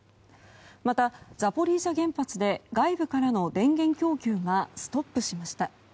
またザポリージャ原発で外部からの電源供給がストップしました。